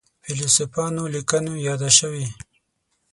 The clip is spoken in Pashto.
فیلسوفانو لیکنو یاده شوې.